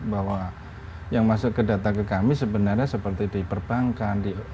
bahwa yang masuk ke data ke kami sebenarnya seperti di perbankan